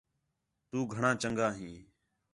تُو گھݨاں چنڳا ھیں